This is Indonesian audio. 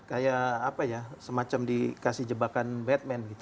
kayak apa ya semacam dikasih jebakan batman gitu